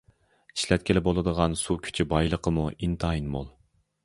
ئىشلەتكىلى بولىدىغان سۇ كۈچى بايلىقىمۇ ئىنتايىن مول.